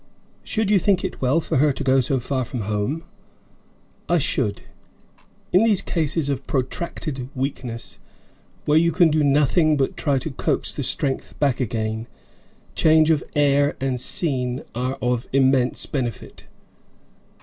"Should you think it well for her to go so far from home?" "I should. In these cases of protracted weakness, where you can do nothing but try to coax the strength back again, change of air and scene are of immense benefit."